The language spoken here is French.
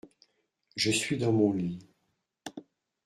Je suis dans mon lit…